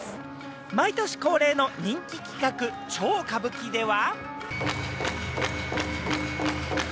毎年恒例の人気企画「超歌舞伎」では。